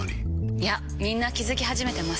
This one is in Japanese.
いやみんな気付き始めてます。